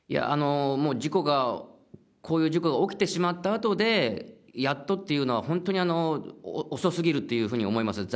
もう事故が、こういう事故が起きてしまったあとで、やっとっていうのは、本当に遅すぎるっていうふうに思いますね。